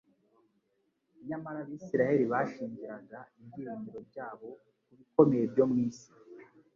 Nyamara Abisiraeli bashingiraga ibyiringiro byabo ku bikomeye byo mu isi.